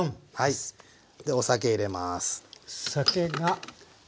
お酒入れます。